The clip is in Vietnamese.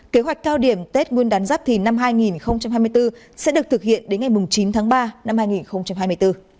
kế hoạch cao điểm tết nguyên đán giáp thì năm hai nghìn hai mươi bốn sẽ được thực hiện đến ngày chín tháng ba năm hai nghìn hai mươi bốn